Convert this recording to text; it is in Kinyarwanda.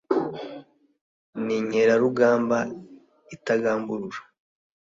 ni inkerarugamba itagamburura.